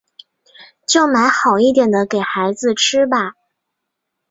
就买好一点的给孩子吃吧